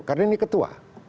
karena ini ketua